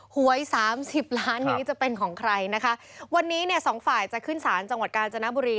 หวยสามสิบล้านนี้จะเป็นของใครนะคะวันนี้เนี่ยสองฝ่ายจะขึ้นศาลจังหวัดกาญจนบุรี